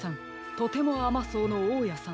トテモアマそうのおおやさん